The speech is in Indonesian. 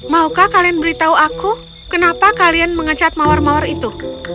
maukah kalian beritahu aku kenapa kalian mengecat mawar mawar itu